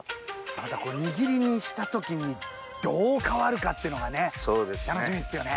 また握りにした時にどう変わるかっていうのが楽しみですよね。